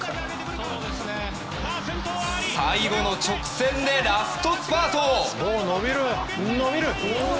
最後の直線でラストスパート。